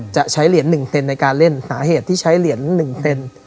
จะใช้เหรียญ๑เซนในการเล่นหาเหตุที่ใช้เหรียญ๑เซน